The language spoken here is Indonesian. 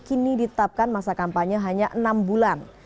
kini ditetapkan masa kampanye hanya enam bulan